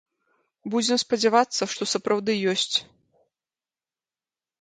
Будзем спадзявацца, што сапраўды ёсць.